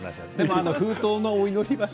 封筒のお祈りはね